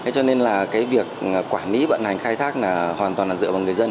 cho nên là việc quản lý vận hành khai thác là hoàn toàn dựa vào người dân